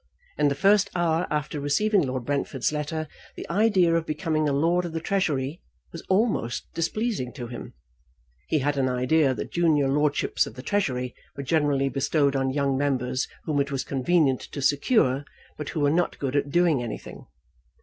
In the first hour after receiving Lord Brentford's letter, the idea of becoming a Lord of the Treasury was almost displeasing to him. He had an idea that junior lordships of the Treasury were generally bestowed on young members whom it was convenient to secure, but who were not good at doing anything.